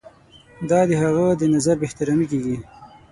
دا د هغه د نظر بې احترامي کیږي.